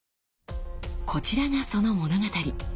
こちらがその物語。